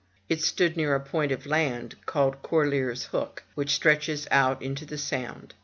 It stood near a point of land called Corlear's Hook, which stretches out into the Sound.